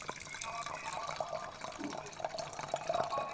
এই সময়ের ভেতরেই Bayes theorem, least square method ইত্যাদি তত্ত্বের সূত্রপাত হয়।